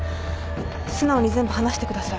素直に全部話してください。